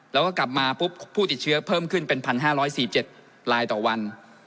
แล้วก็กลับมาปุ๊บผู้ติดเชื้อเพิ่มขึ้นเป็น๑๕๔๗ลายต่อวัน